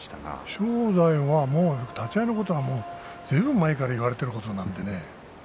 正代は立ち合いのことはずいぶん前から言われていますからね。